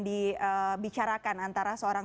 dibicarakan antara seorang